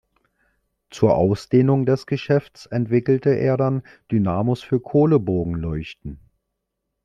Zur Ausdehnung des Geschäfts entwickelte er dann Dynamos für Kohle-Bogenleuchten.